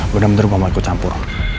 bener bener gue gak mau ikut campur